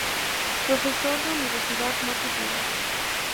Profesor de Universidad no Titular.